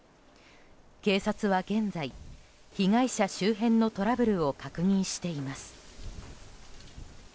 警察は現在、被害者周辺のトラブルを確認しています。